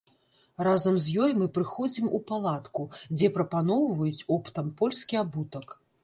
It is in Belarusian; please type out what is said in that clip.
Разам з ёй мы прыходзім у палатку, дзе прапаноўваюць оптам польскі абутак.